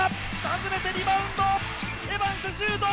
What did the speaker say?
外れてリバウンド！